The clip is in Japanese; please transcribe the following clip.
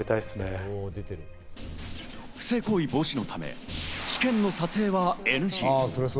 不正行為防止のため、試験の撮影はＮＧ。